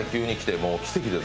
もう奇跡です。